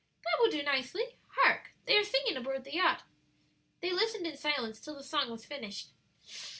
"That will do nicely. Hark, they are singing aboard the yacht." They listened in silence till the song was finished.